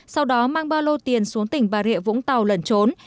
sau đó mang ba lô tiền xuống tỉnh bà rịa vũng tàu lẩn trốn